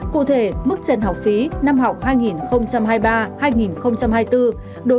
cụ thể mức trần học phí năm học hai nghìn hai mươi ba hai nghìn hai mươi bốn